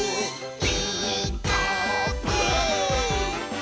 「ピーカーブ！」